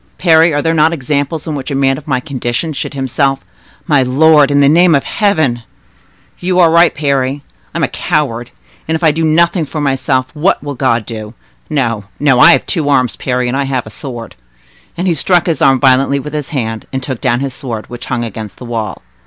Parry, are there not examples in which a man of my condition should himself—" "My lord, in the name of Heaven—" "You are right, Parry; I am a coward, and if I do nothing for myself, what will God do? No, no; I have two arms, Parry, and I have a sword." And he struck his arm violently with his hand, and took down his sword, which hung against the wall.